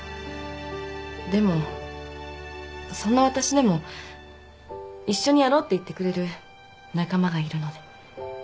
でもそんなわたしでも一緒にやろうって言ってくれる仲間がいるので。